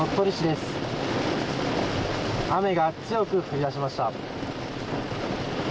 雨が強く降りだしました。